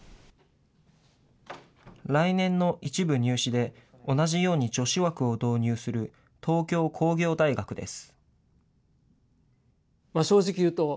来年の一部入試で、同じように女子枠を導入する東京工業大学です。